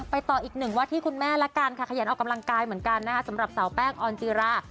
ต่ออีกหนึ่งว่าที่คุณแม่ละกันค่ะขยันออกกำลังกายเหมือนกันนะคะสำหรับสาวแป้งออนจีรา